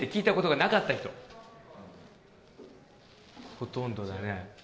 ほとんどだね。